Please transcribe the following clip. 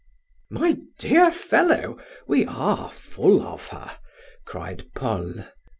"My dear fellow, we are full of her!" cried Paul.